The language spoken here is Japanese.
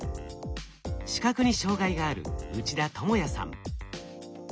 視覚に障害がある内田智也さん。